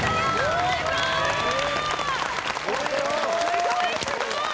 すごいすごい！